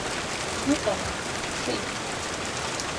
Дыҟам, дцеит.